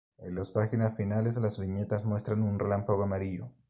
En las páginas finales, las viñetas muestran un relámpago amarillo.